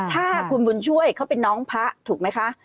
ถ้าคุณบุญช่วยเขาเป็นน้องพระถูกไหมคะ